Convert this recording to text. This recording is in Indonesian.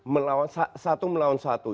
melawan satu melawan satu